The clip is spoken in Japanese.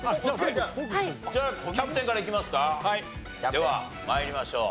では参りましょう。